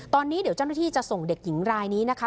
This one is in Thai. ตอนนี้เดี๋ยวเจ้าหน้าที่จะส่งเด็กหญิงรายนี้นะคะ